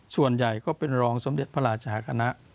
ส่วนใหญ่ก็เป็นรองสมเด็จพระราชาคณะ